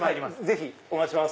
ぜひお待ちしてます。